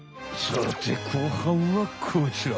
さて後半はこちら。